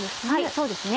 そうですね。